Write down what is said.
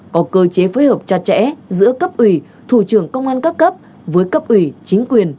cơ kéo mùa chuộc cho trẻ giữa cấp ủy thủ trưởng công an các cấp với cấp ủy chính quyền